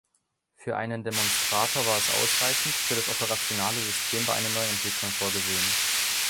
Für einen Demonstrator war es ausreichend, für das operationelle System war eine Neuentwicklung vorgesehen.